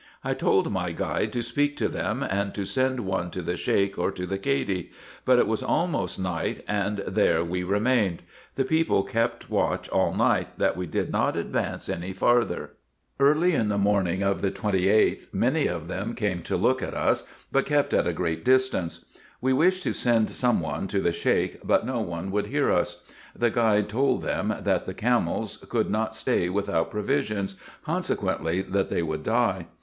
I told my guide to speak to them, and to send one to the Sheik or to the Cady ; but it was almost night, and there we remained. The people kept watch all night that we did not advance any farther. Early in the morning of the 28th many of them came to look at us, but kept at a great distance. We wished to send some one to the Sheik, but no one would hear us. The guide told them, that the camels could not stay without provisions, consequently that they would die.